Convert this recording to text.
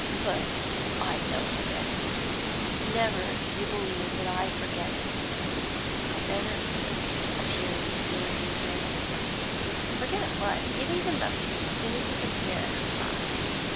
'Hood, I don't forget it; never you believe that I forget it, however appearances may be against me?' 'Forget what? give me the mustard, as soon as you can spare it; ha, ha!'